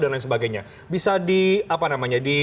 dan lain sebagainya bisa di apa namanya